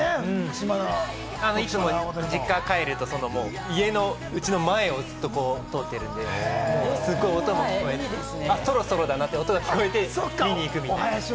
いつも実家帰ると、家のうちの前をずっと通っているんで、すごい音も聞こえてきて、あ、そろそろだなって音が聞こえて見に行くという。